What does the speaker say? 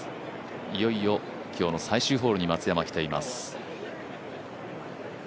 いよいよ今日の最終ホールに松山来ています。